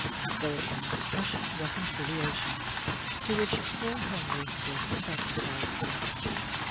There was an impassioned reconciliation, to which poor Henry was the sacrifice.